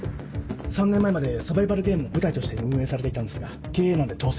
３年前までサバイバルゲームの舞台として運営されていたのですが経営難で倒産。